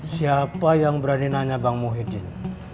siapa yang berani nanya bang muhyiddin